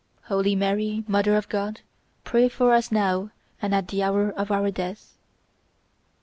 "Holy Mary, mother of God, pray for us now and at the hour of our death..."